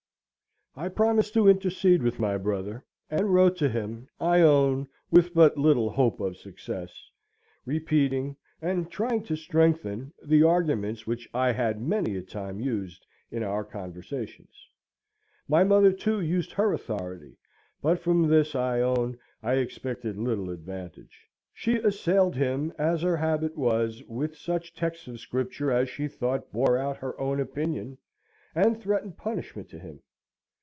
I promised to intercede with my brother; and wrote to him, I own, with but little hope of success, repeating, and trying to strengthen the arguments which I had many a time used in our conversations. My mother, too, used her authority; but from this, I own, I expected little advantage. She assailed him, as her habit was, with such texts of Scripture as she thought bore out her own opinion, and threatened punishment to him.